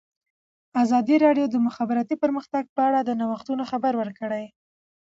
ازادي راډیو د د مخابراتو پرمختګ په اړه د نوښتونو خبر ورکړی.